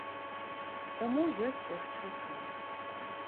Таму ёсць яшчэ час.